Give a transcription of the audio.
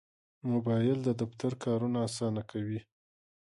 موبایل د دفتر کارونه اسانه کوي.